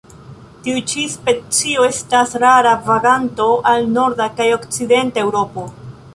Tiu ĉi specio estas rara vaganto al norda kaj okcidenta Eŭropo.